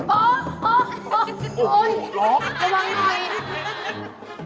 โอ๊ยโอ๊ยระวังหน่อย